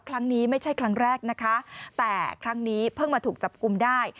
ครั้งนี้ไม่ใช่ครั้งแรกนะคะแต่ครั้งนี้เพิ่งมาถูกจับกลุ่มได้